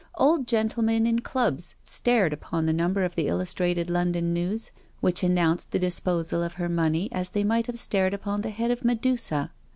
Old gentlemen in Clubs stared upon the number of the Illustrated London News which an nounced the disposal of her money as they might have stared upon the head of Medusa.